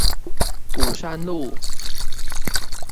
鼓山路